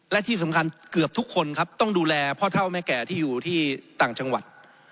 และที่สำคัญเกือบทุกคนครับต้องดูแลพ่อเท่าแม่แก่ที่อยู่ที่ต่างจังหวัด